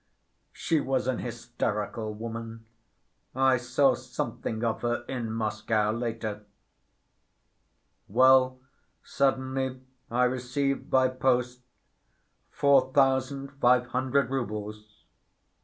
She was an hysterical woman. I saw something of her in Moscow, later. "Well, suddenly I received by post four thousand five hundred roubles.